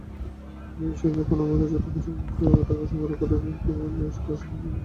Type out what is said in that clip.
দিনদশেক পরে কোনোমতে যথোপযুক্ত টাকা সংগ্রহ করিয়া বিপদুত্তীর্ণ ফণিভূষণ বাড়ি আসিয়া উপস্থিত হইল।